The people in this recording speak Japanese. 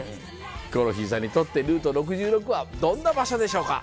ヒコロヒーさんにとってルート６６はどんな場所でしょうか？